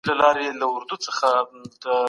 لطفا له ما سره په دې درانه کار کي لږ مرسته وکړئ.